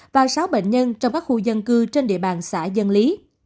và sáu bệnh nhân trong các khu dân cư trên địa bàn xã dân lý